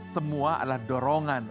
semua adalah dorongan